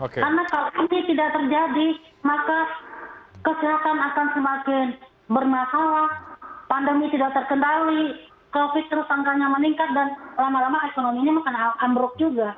karena kalau ini tidak terjadi maka kesehatan akan semakin bermasalah pandemi tidak terkendali covid sembilan belas terus angkanya meningkat dan lama lama ekonominya akan beruk juga